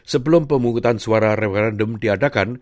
sebelum pemungutan suara referendum diadakan